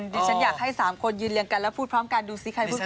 อ๋อดิฉันอยากให้สามคนยืนเรียงกันพูดพร้อมกันดูซิใครพูดความจริง